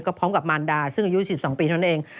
พร้อมกับมารดาซึ่งอายุ๑๒ปีเท่านั้นเอง